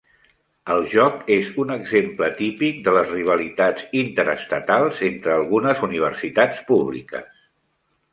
El joc és un exemple típic de les rivalitats interestatals entre algunes universitats públiques.